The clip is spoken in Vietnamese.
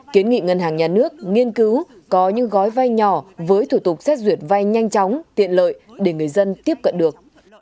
kiến nghị ngân hàng nhà nước nghiên cứu có những gói vai nhỏ với thủ tục xét duyệt vai nhanh chóng tiện lợi để người dân tiếp cận được